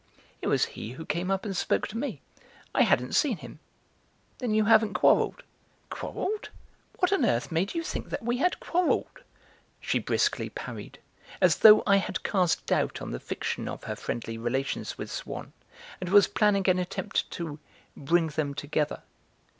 "It was he who came up and spoke to me. I hadn't seen him." "Then you haven't quarrelled?" "Quarrelled? What on earth made you think that we had quarrelled?" she briskly parried, as though I had cast doubt on the fiction of her friendly relations with Swann, and was planning an attempt to 'bring them together.'